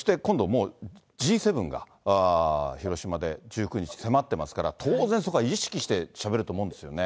もうＧ７が広島で１９日迫ってますから、当然、そこは意識してしゃべると思うんですよね。